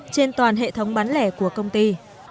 trên toàn hệ thống bán lẻ của công ty